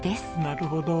なるほど。